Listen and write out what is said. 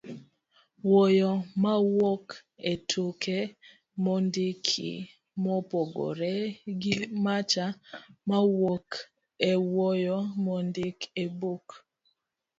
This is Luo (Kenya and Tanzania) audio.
wuoyo mawuok e tuke mondiki, mopogore gi macha mawuok e wuoyo mondik e buk